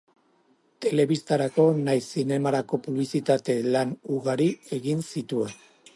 Telebistarako nahiz zinemarako publizitate lan ugari egin zituen.